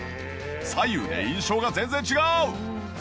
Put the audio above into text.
左右で印象が全然違う！